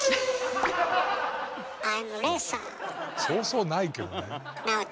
そうそうないけどね。